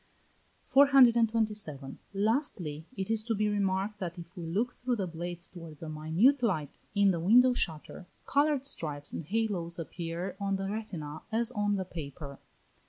427. Lastly, it is to be remarked that if we look through the blades towards a minute light in the window shutter, coloured stripes and halos appear on the retina as on the paper.